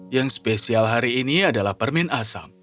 yang spesial hari ini adalah permen asam